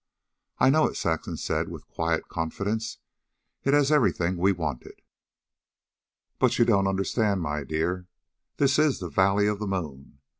"I know it," Saxon said with quiet confidence. "It has everything we wanted." "But you don't understand, my dear. This is the Valley of the Moon.